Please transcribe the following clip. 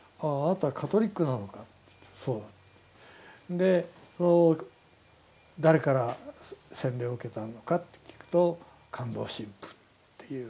で「誰から洗礼を受けたのか」って聞くと「カンドウ神父」って言う。